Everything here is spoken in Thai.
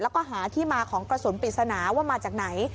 แล้วก็หาที่มาของกระสุนปริศนาว่ามาจากไหน